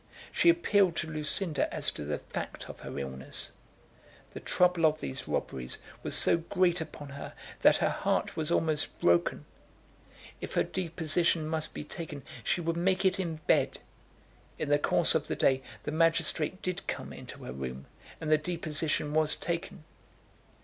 She appealed to Lucinda as to the fact of her illness. The trouble of these robberies was so great upon her that her heart was almost broken. If her deposition must be taken, she would make it in bed. In the course of the day the magistrate did come into her room and the deposition was taken.